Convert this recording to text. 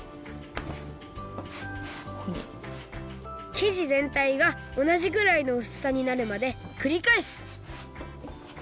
生地ぜんたいがおなじぐらいのうすさになるまでくりかえす